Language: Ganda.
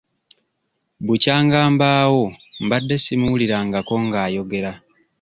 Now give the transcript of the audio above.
Bukyanga mbaawo mbadde simuwulirangako nga ayogera.